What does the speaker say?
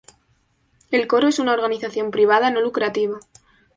El coro es una organización privada, no lucrativa.